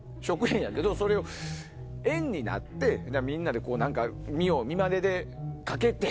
それを円になってみんなで見よう見まねでかけて。